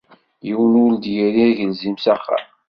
Yiwen ur d-irri agelzim s axxam.